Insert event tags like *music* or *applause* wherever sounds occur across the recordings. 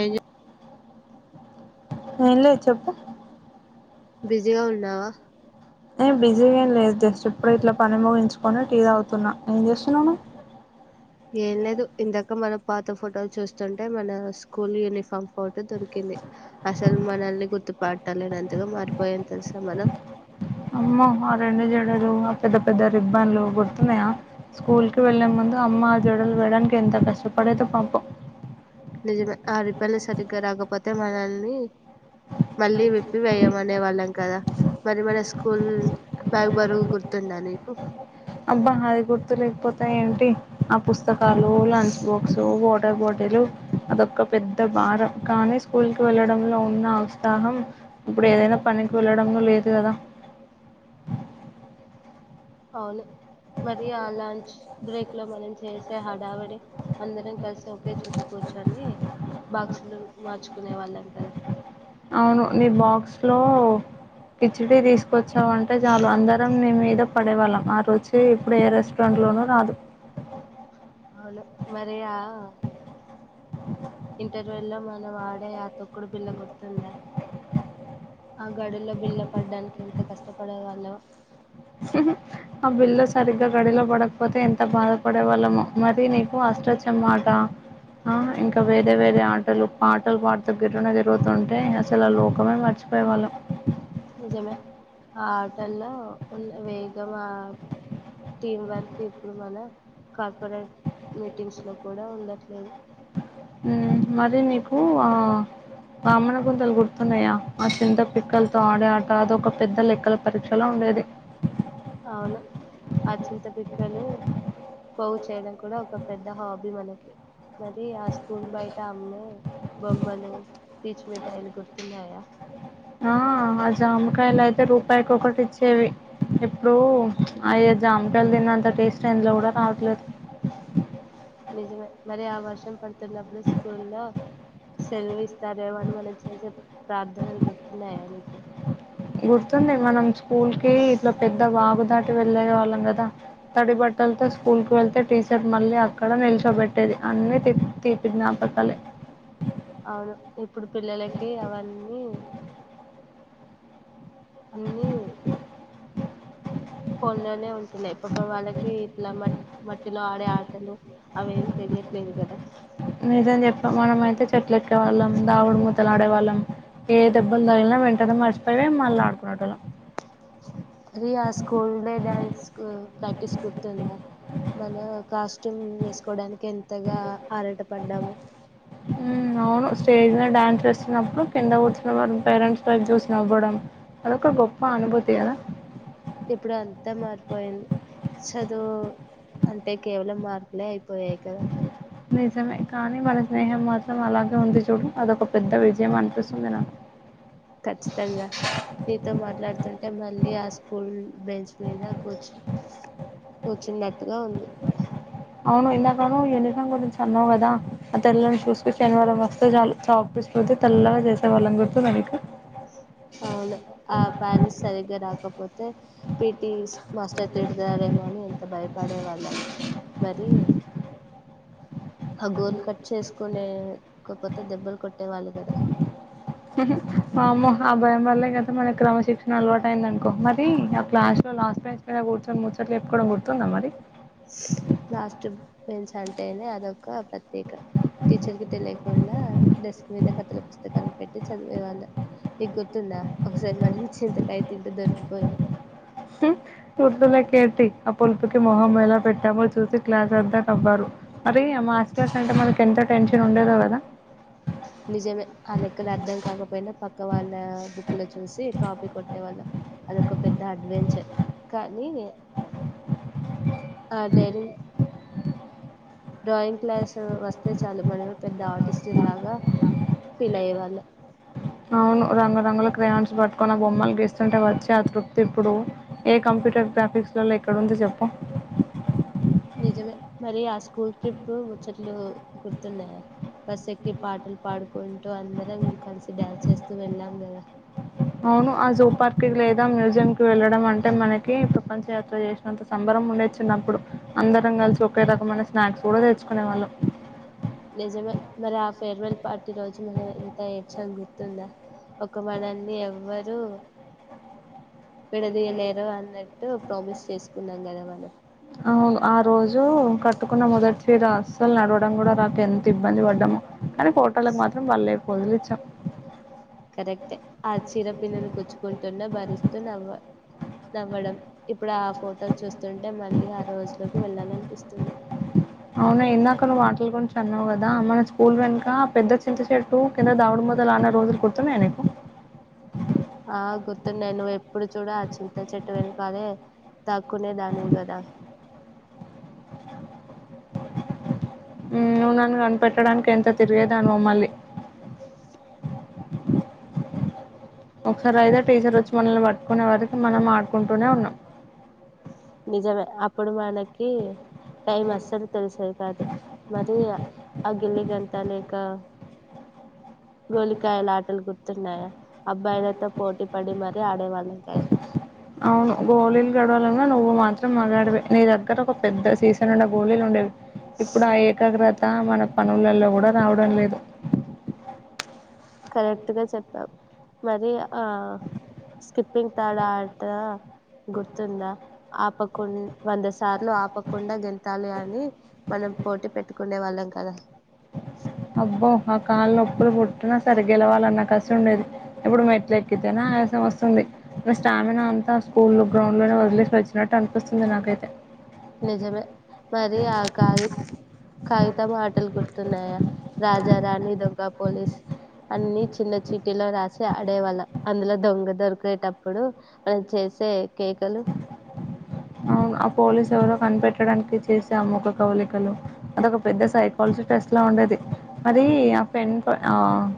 ఏం చేస్తున్నావ్ ఏంలే చెప్పు బిజీగా ఉన్నావా ఏ బిజీగా ఏం లేదు జస్ట్ ఇప్పుడే ఇట్లా పని ముగించుకొని టీ దాగుతున్నా ఏం చేస్తున్నావ్ నువ్వు టీవీ సౌండ్ ఏం లేదు ఇందాక మన పాత ఫోటోలు చూస్తుంటే మన స్కూల్ యూనిఫామ్ ఫోటో దొరికింది అసలు మనల్ని గుర్తుపట్టాలేనంతగా మారిపోయం తెలుసా మనం టీవీ సౌండ్ అమ్మో ఆ రెండు జడలు ఆ పెద్ద పెద్ద రిబ్బన్లు గుర్తున్నాయా స్కూల్ కి వెల్లే ముందు అమ్మా ఆ జడలు వెయడానికి ఎంత కష్టపడేదో పాపం నిజమే ఆ రిబ్బన్లు సరిగ్గా రాకపోతే మనల్ని మళ్ళీ విప్పి వేయమనే వాళ్ళం కదా మరి మన స్కూల్ బ్యాగ్ బరువు గుర్తుందా నీకు ఆబ్బా అది గుర్తు లేకపోతే ఏంటి ఆ పుస్తకాలు lunch box water water bottle అదొక పెద్ద భారం కానీ స్కూల్ కి వెళ్ళడంలో ఉన్న ఉత్సాహం ఇప్పుడు ఏదైనా పనికి వెళ్లడంలో లేదు కదా అవును మరి ఆ లాంచ్ బ్రేక్ లో మనం చేసే హడావడి అందరం కలిసి ఒకే చోట కూర్చొని కూర్చొని బాక్సులు మార్చుకునే వాళ్ళం కదా అవును నీ బాక్స్ లో కిచిడి తీసుకొచ్చావుంటే చాలు అందరం నీ మీద పడేవాళ్ళం ఆ రుచి ఇప్పుడు ఏ రెస్టారెంట్ లో దేట్లోను రాదు అవును మరియా ఇంటర్వెల్లో మనం ఆడే ఆ తొక్కుడు బిల్ల గుర్తుందా ఆ గడుల్లో బిళ్ళ పడడానికి ఎంత కష్టపడే వాళ్ళ ఆ బిల్లు సరిగ్గా గడిలో పడకపోతే ఎంత బాధపడే వాళ్ళమో మరి నీకు అష్టాచమ్మాట ఆ ఇంకా వేరే వేరే ఆటలు పాటలు పాడుతూ గిర్రున తిరుగుతుంటే అసలు లోకమే మర్చి పోయేవాళ్ళం నిజమే ఆ ఆటల్లో ఉన్న వేగమ ఆ టీం వర్క్ ఇప్పుడు మన కార్పొరేట్ మీటింగ్స్ లో కూడా ఉండట్లేదు మరి నీకు ఆ బమ్మన గుంతలు గుర్తు గుతున్నాయా ఆ చింత పిక్కలతో ఆడే ఆట అదొక పెద్ద లెక్కల పరీక్షలో ఉండేది అవును ఆ చింత పీక్కలు పోగు చేయడం కూడా ఒక పెద్ద హాబీ వాళ్ల కీ మరి ఆ స్కూల్ బయట అమ్మే బొమ్మలు పీచ్ మిఠాయిలు గుర్తున్నాయా ఆ ఆ జామకాయలు అయితే రూపాయికి ఒకటి ఇచ్చేవి ఇప్పుడు అయ జామకాయలు తిన్న అంత టేస్ట్ ఎందులో కూడా రావట్లేదు నిజమే మరి ఆ వర్షం పడుతున్నప్పుడు స్కూల్లో సెలవు ఇస్తారేమో అని మనం చూసే ప్రార్థనలు గుర్తున్నాయా మీకు గుర్తుంది మనం స్కూల్ కి ఇట్లా పెద్ద వాగు దాటి వెళ్లేే వాళ్ళం కదా తడి బట్టలతో స్కూల్ కు వెళ్తే టీచర్ మళ్ళీ అక్కడ నిల్చోబెట్టేది అన్ని తీపి జ్ఞాపకాలె అవును ఇప్పుడు పిల్లలకి అవన్నీ అన్నీ ఫోన్లోనే ఉంటున్నాయి ఇప్పటి వాళ్ళకి ఇట్లా మట్ మట్టిలో ఆడే ఆటలు అవేమి తెలి చేయట్లేదు కదా నిజం చెప్పు మనమైతే చెట్లు ఎక్కేవాళ్ళం దాగుడు మూతలు ఆడేవాళ్ళం ఏ దెబ్బలు తగిలిన వెంటనే మర్చిపోయి మళ్ళీ ఆడుకునేటోళ్ళం రియా స్కూల్ డే డాన్స్ కు ప్రాక్టీస్ గుర్తుందా మన కాస్ట్యూమ్ వేసుకోడానికి ఎంతగా ఆరాట పడ్డాము హ్మ్ అవును స్టేజ్ మీద డ్యాన్స్ వేస్తున్నప్పుడు కింద కూర్చున్న పేరెంట్స్ వైపు చూసినవ్వడం అదొక గొప్ప అనుభూతి కదా ఇప్పుడు అంతా మారిపోయింది చదువు అంటే కేవలం మార్కులే అయిపోయాయి కదా నిజమే కానీ మన స్నేహం మాత్రం అలాగే ఉంది చూడు అదొక పెద్ద విజయం అనిపిస్తుంది నాకు ఖచ్చితంగా నీతో మాట్లాడుతుంటే మళ్ళీ ఆస్ స్కూల్ బెంచ్ మీద కూర్చు కూర్చున్నట్టుగా ఉంది అవును ఇందాకన యూనిఫామ్ గురించి అన్నావు కదా ఆ తెల్లని షూస్ కి శనివారం వస్తే చాలు చాక్ పీస్ రుద్ది తెల్లగా చేసేవాళ్ళం గుర్తుందా నీకు అవును ఆ ప్యాలెస్ సరిగ్గా రాకపోతే పిటి మాస్టర్ తిడతారేమో అని ఎంత భయపడే వాళ్ళము మరి ఆ గోలు కట్ చేసుకునే *unintelligible* దెబ్బలు కొట్టేవాళ్ళు కదా వామో ఆ భయం వల్లే కదా మనకు క్రమశిక్షణ అలవాటు అయ్యిది అనుకో మరి అ క్లాస్ లో లాస్ట్ బెంచ్ లోనే కూర్చొని ముచ్చట్లు చెప్పుకోవడం గుర్తుందా మరి లాస్ట్ బెంచ్ అంటేనే అదొక ప్రత్యేక టీచర్ కి తెలియకుండా డెస్క్ మీద కథల పుస్తకాలు పెట్టి చదివేవాళ్ళు నీ గుర్తుందా ఒకసారి మన చింతకాయ తింటూ దొరికిపోయా గుర్తులేకేంటి ఆ పులుపుకి మొహం ఎలా పెట్టామో చూసి క్లాస్ అంతా నవ్వారు మరి ఆ మాథ్స్ క్లాస్ అంటే మనకి ఎంత టెన్షన్ ఉండేదో కదా నిజమే ఆ లెక్కలు అర్థం కాకపోయినా పక్క వాళ్ళ బుక్ లో చూసి కాపీ కొట్టే వాళ్ళం అదొక పెద్ద అడ్వెంచర్ కానీ ఆ డేరి డ్రాయింగ్ క్లాసు వస్తే చాలు మనమే పెద్ద ఆర్టిస్టులు లాగా ఫీల్ అయ్యే వాళ్ళు అవును రంగురంగుల క్రేయాన్స్ పట్టుకొని బొమ్మలు గీస్తుంటే వచ్చే ఆ తృప్తి ఇప్పుడు ఏ కం ప్యూటర్ గ్రాఫిక్స్ లల్లో ఎక్కడుంది చెప్పు నిజమే మరి ఆ స్కూల్ ట్రిప్ ముచ్చట్లు గుర్తున్నాయా బస్ ఎక్కి పాటలు పాడుకుంటూ అందరం కలిసి డాన్స్ చేస్తూ వెళ్ళాం కదా అవును ఆ జూ పార్క్ కి లేదా మ్యూజియం కి వెళ్ళడం అంటే మనకి ప్రపంచ యాత్ర చేసినంత సంబరం ఉండేది చిన్నప్పుడు అందరం కలిసి ఒకే రకమైన స్నాక్స్ కూడా తెచ్చుకునే వాళ్ళం నిజమే మరి ఆ ఫేర్వెల్ పార్టీ రోజు మనం ఎంత ఏడ్చాం గుర్తుందా ఒక మనల్ని ఎవ్వరూ విడదీయలేరు అన్నట్టు ప్రామిస్ చేసుకున్నాం కదా మనం అవును ఆ రోజు కట్టుకున్న మొదటి చీర అస్సలు నడవడం కూడా రాక ఎంత ఇబ్బంది పడ్డామో కానీ ఫోటోలకు మాత్రం భల్లే ఫోజులిచ్చాం కరెక్టే ఆ చీర పిన్నులు కుచ్చుకుంటున్న భరిస్తూ నవ్వా నవ్వడం ఇప్పుడు ఆ ఫోటోలు చూస్తుంటే మళ్ళీ ఆ రోజులోకి వెళ్ళాలి అనిపిస్తుంది. అవునా ఇందాక నువ్వు *unintelligible* చన్నవు కదా మన స్కూల్ వెనుక పెద్ద చింత చెట్టు కింద దాగుడు మూతలు ఆడిన రోజులు గుర్తున్నాయ నీకు ఆ గుర్తున్నాయ్ నువ్వు ఎప్పుడు చూడు ఆ చింత చెట్టు వెనకాలే దాక్కునే దానివి గదా ఉమ్ నన్ను కనిపెట్టడానికి ఎంత తిరిగేదానివో మళ్లీ ఒకసారి అయితే టీచర్ వచ్చి మనల్ని పట్టుకునే వరికి మనం ఆడుకుంటూనే ఉన్నాం నిజమే అప్పుడు మన కి టైమ్ అస్సలు తెలిసేది కాదు మరి అ గిల్లి గంత లేక గోళీకాయలు ఆటలు గుర్తున్నాయా అబ్బాయిలతో పోటీ పడి మరీ ఆడేవాళ్ళం కదా అవును గోళీలు గెలవడంలో నువ్వు మాత్రం మాగాడివే నీ దగ్గర ఒక పెద్ద సీసానిండా గోళీలు ఉండేవి. ఇప్పుడు ఆ ఏకాగ్ర త మన పనులల్లో కూడా రావడం లేదు కరెక్ట్ గా చెప్పావ్ మరి ఆ స్కిప్పింగ్ తాడు ఆట గుర్తుందా ఆపకుం వంద సార్లు ఆపకుండా గెంతాలి అని మనం పోటీ పెట్టుకునే వాళ్ళం కదా అబ్బో ఆ కాలు నొప్పులు పుట్టిన సరే గెలవాలన్న కసి ఉండేది, ఇప్పుడు మెట్లు ఎక్కితేనా ఆయాసం వస్తుంది స్టామినా అంతా స్కూల్ గ్రౌండ్ లోనే వదిలేసి వచ్చినట్టు అనిపిస్తుంది నాకైతే నిజమే మరి ఆ కాగి కాగితం ఆటలు గుర్తున్నాయా రాజా రాణి దొంగ పోలీసు అన్ని చిన్న చీటిలో రాసి ఆడేవాళ్ళం అందులో దొంగ దొరికేటప్పుడు మనం చేసి సే కేకలు అవును ఆ పోలీస్ ఎవరో కనిపెట్టడానికి చేసే ఆ ముఖకవళికలు అదొక పెద్ద సైకాలజిస్ స్ట్లా ఉండేది మరి ఆ పెన్ ఫ ఆ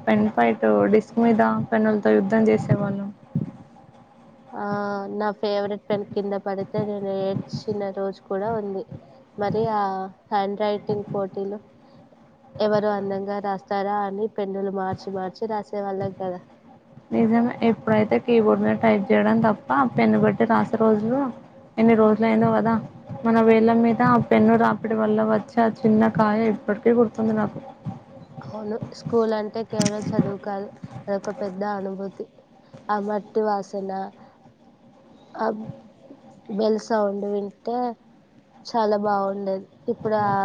పెన్ ఫైట్ డిస్క్ మీద పెన్నులతో యుద్ధం చేసేవాళ్ళం ఆ నా ఫేవరెట్ పెన్ కింద పడితే నేను ఏడ్చిన రోజు కూడా ఉంది మరి ఆ హ్యాండ్ రైటింగ్ పోటీలు ఎవరు అందంగా రాస్తారా అని పెన్నులు మార్చి మార్చి రాసే వాళ్ళం కదా నిజమే ఎప్పుడైతే కీబోర్డ్ మీద టైప్ చేయడం తప్ప పెన్ను బట్టి రాసే రోజులు ఎన్ని రోజులయిందో కదా మన వేళ్ళ మీద ఆ పెన్ను రాపిడి వల్ల వచ్చే ఆ చిన్న కాయ ఇప్పటికీ గుర్తుంది నాకు అవును స్కూల్ అంటే కేవలం చదువు కాదు అదొక పెద్ద అనుభూతి ఆ మట్టి వాసన ఆ బెల్ సౌండు వింటే చాలా బావుండేది ఇప్పుడు ఆ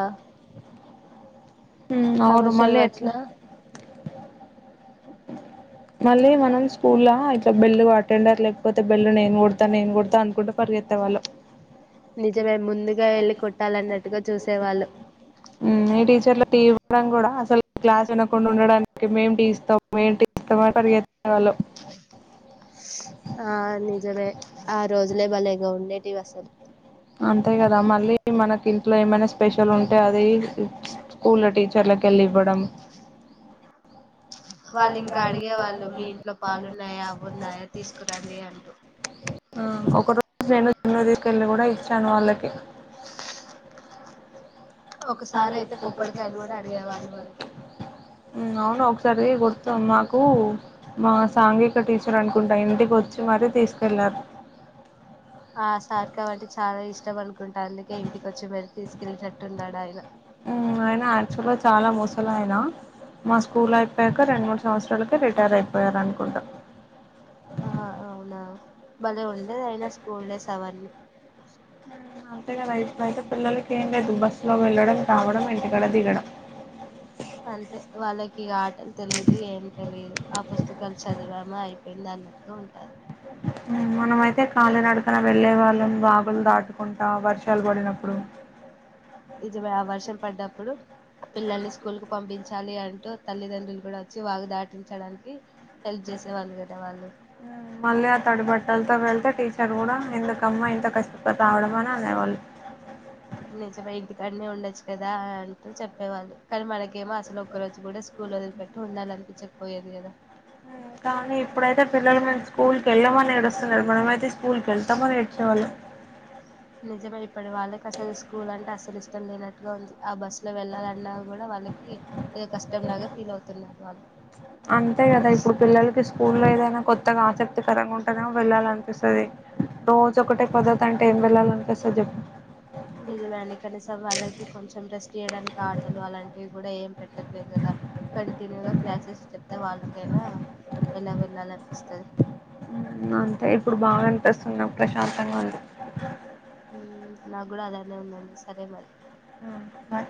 హ అవును ప్రమోషన్ మళ్ళీ ఎట్ల వచ్చినా మళ్ళీ మనం స్కూల్లా ఇట్లా బెల్లు అటెండర్ లేకపోతే బెల్లు నేను కొడతా నేను కొడతా అనుకుంట పర్ గెత్తే వాళ్ళం నిజమే ముందుగా ఎళ్ళి కొట్టాలన్నట్టుగా చూసేవాళ్ళు ఉమ్ ఈ టీచర్లు టీ ఇవ్వడం కూడా అసలు క్లాస్ వినకుండా ఉండడానికి మేం టీ ఇస్తాం మేం టీ *unintelligible* త్తే వాళ్ళు ఆ టివి అసలు అంతే కదా మళ్ళీ మనకి ఇంట్లో ఏమైనా స్పెషల్ ఉంటే అది స్కూల్ లో టీచర్లకి కెళ్ళి ఇవ్వడం వాళ్ళు ఇంకా అడిగేవాళ్ళు మీ ఇంట్లో పాలున్నాయా అవ్వున్నాయా తీసుకోరండి అంటూ ఆ ఒకరోజు నేను జున్ను *inaudible* కూడా ఇచ్చాను వాళ్ళకి ఒకసారి అయితే కొబ్బడికాయలు కూడా అడిగేవాళ్ళు మనకి ఊ అవును తర్ ది గుర్తు మాకు మా సాంఘిక టీచర్ అనుకుంటా ఇంటికి వచ్చి మరీ తీసుకెళ్ళారు ఆ సార్ కాబట్టి చాలా ఇష్టం అను కుంటా అందుకే ఇంటిక వచ్చి మరీ తీసుకెళ్ళిపెట్టుడాడు. ఆయన ఆయన యాక్చువల్గా చాలా ముసలాయనా మా స్కూల్ అయిపోయాక రెండు మూడు సంవత్సరాలకు రిటైర్ అయిపోయారునుకుంటా ఆ అవునా భలే ఉండేది అయినా స్కూల్ డేస్ అవన్నీ అంతే కదా ఇప్పుడు అయితే పిల్లలకి ఏం లేదు బస్సు లో వెళ్ళడం రావడం ఇంటికాడ దిగడం అంతే వాళ్ళకి ఇగ ఆటలు తెలిదు ఏం తెలిదు ఆ పుస్తకాలు చదివామా అయిపోయింది అ అన్నటుగా ఉంటాది. మ్ మనమయితే కాళీ నడక కన వెళ్ళే వాళ్ళం వాగులు దాటుకుంటా వర్షాలు పడినప్పుడు ఇది ఆ వర్షం పడ్డప్పుడు పిల్లల్ని స్కూల్ కి పంపించాలి అంటే తల్లిదండ్రులు గుడా వచ్చి వాగు దాటించడానికి హెల్ప్ చేసేవాళ్ళు గదా వాళ్ళు వెళ్త వెళ్త టీచర్ కూడా ఎందుకమ్మ ఇంత కష్టప రావడం అని అనేవాళ్ళు నిజమే ఇంటికన్నె ఉండొచ్చు కదా అంటూ చెప్పేవాళ్ళు కానీ మనకేమో అసలు ఒక్క రోజు కూడా స్కు స్కూలు వదిలిపెట్టి ఉండాలనిపిచ్చక పోయేది గదా కానీ ఇప్పుడైతే పిల్లలు మేము స్కూల్ కెళ్ళమని ఏడుస్తున్నారు మనమయితే స్కూల్కికెళ్తమని ఏడ్చేవాళ్ళం నిజమె ఇప్పడ వాళ్ళకి అసలు స్కూల్ అంటే అస్సలు ఇష్టం లేన ట్లుంది ఆ బస్సు లో వెళ్ళాలన్నా కూడా వాళ్ళకి ఏదో కష్టం లాగా ఫీల్ అవుతున్నారు వాళ్ళు అంతే గదా ఇప్పుడు పిల్లలకి స్కూ లో ఏదైనా కొత్తగా ఆసక్తి ఆసక్తికరంగా ఉంటానే వెళ్ళాలి అనిపిస్తది రోజు ఒకటే పద్ధతి అంటే ఏం వెళ్ళాలి అనిపిస్తది నిజమే అండి కనీసం వాళ్ళకి కొంచెం రెస్ట్ ఇయ్యడానికి ఆటలు అలాంటివి గుడా ఏం పెట్టట్లేదు గదా కంటిన్యూగా క్లాసెస్ చెప్తే వాళ్ళకైనా ఎలా వినాలనిపిస్తది మ్మ్ అంతే ఇప్పుడు బాగా అనిపిస్తున్నా ప్రశాంతంగా ఉంది మ్ నా గుడా అలానే ఉందండి సరే మరి మ్ బై